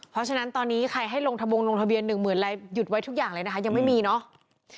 เพราะฉะนั้นตอนนี้ใครให้ลงทะบงลงทะเบียนหนึ่งหมื่นอะไรหยุดไว้ทุกอย่างเลยนะคะยังไม่มีเนาะ